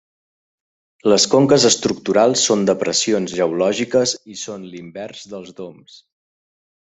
Les conques estructurals són depressions geològiques, i són l'invers dels doms.